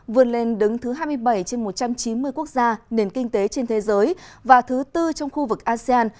vươn lên đứng thứ hai mươi bảy trên một trăm chín mươi quốc gia nền kinh tế trên thế giới và thứ tư trong khu vực asean